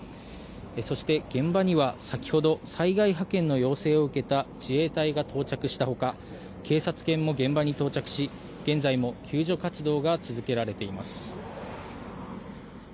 そして、現場には先ほど災害派遣の要請を受けた自衛隊が到着したほか警察犬も現場に到着し現在も救助活動が続けられています。